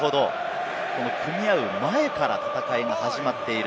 組み合う前から戦いが始まっている。